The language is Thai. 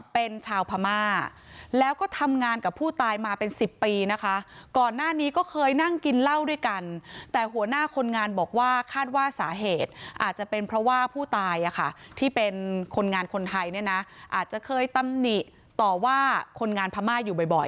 เป็นชาวพม่าแล้วก็ทำงานกับผู้ตายมาเป็นสิบปีนะคะก่อนหน้านี้ก็เคยนั่งกินเหล้าด้วยกันแต่หัวหน้าคนงานบอกว่าคาดว่าสาเหตุอาจจะเป็นเพราะว่าผู้ตายอ่ะค่ะที่เป็นคนงานคนไทยเนี่ยนะอาจจะเคยตำหนิต่อว่าคนงานพม่าอยู่บ่อย